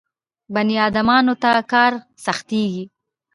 بني ادمانو ته کار سختېږي.